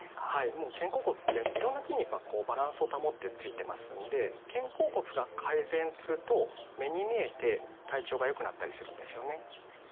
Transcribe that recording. もう肩甲骨っていろんな筋肉がバランスを保ってついてますんで肩甲骨が改善すると目に見えて体調がよくなったりするんですよね。